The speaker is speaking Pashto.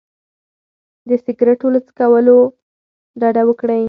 د سګرټو له څکولو ډډه وکړئ.